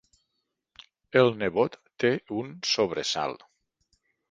El nebot té un sobresalt.